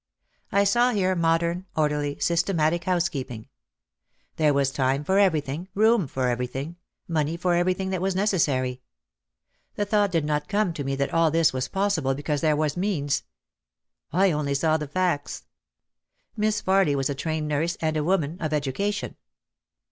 I saw here modern, orderly, systematic housekeeping. There was time for everything, room for everything, money for everything that was necessary. The thought did not come to me that all this was possible because there was means. I only saw the facts. Miss Farly was a trained nurse and a woman of education.